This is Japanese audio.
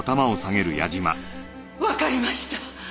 わかりました。